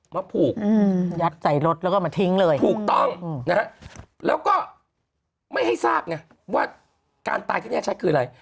มาผูกยัดใส่รถแล้วก็มาทิ้งเลยถูกต้องนะฮะแล้วก็ไม่ให้ทราบไงว่าการตายที่แน่ชัดคืออะไร